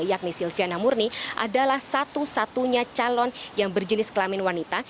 yakni silviana murni adalah satu satunya calon yang berjenis kelamin wanita